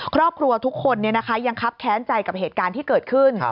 ครอบครัวทุกคนยังครับแค้นใจกับเหตุการณ์ที่เกิดขึ้น